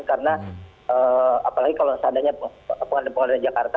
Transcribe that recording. karena apalagi kalau seandainya pengadilan jakarta